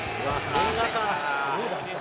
「千賀か」